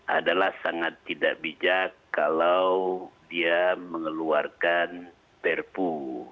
adalah sangat tidak bijak kalau dia mengeluarkan perpu